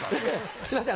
すみません。